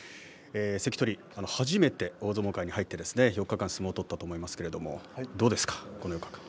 関取、初めて大相撲界に入って四日間、相撲を取ったと思いますがどうですか？